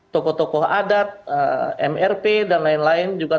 tokoh tokoh adat mrp dan lain lain juga